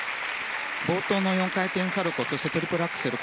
冒頭の４回転サルコウトリプルアクセル